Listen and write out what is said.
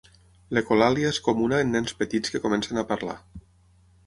L'ecolàlia és comuna en nens petits que comencen a parlar.